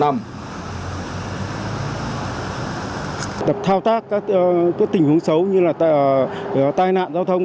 tập thao tác các tình huống xấu như là tai nạn giao thông